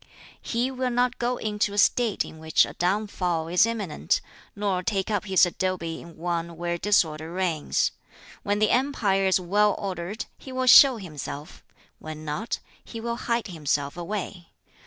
"He will not go into a State in which a downfall is imminent, nor take up his abode in one where disorder reigns. When the empire is well ordered he will show himself; when not, he will hide himself away.